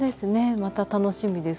また楽しみです